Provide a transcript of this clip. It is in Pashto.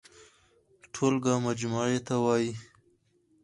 ټولګه مجموعې ته وايي.